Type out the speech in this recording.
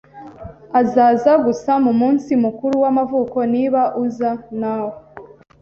Azaza gusa mu munsi mukuru w'amavuko niba uza, nawe.